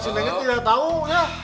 si nengnya tidak tahu ya